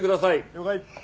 了解。